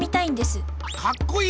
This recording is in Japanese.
かっこいい？